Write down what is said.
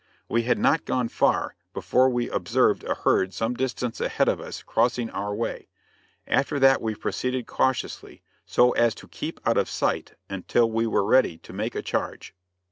We had not gone far before we observed a herd some distance ahead of us crossing our way; after that we proceeded cautiously, so as to keep out of sight until we were ready to make a charge.